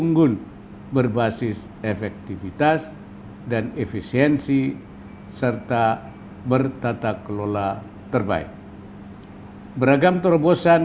saya juga menaruh harapan pada bank indonesia agar senantiasa melakukan transformasi kelembagaan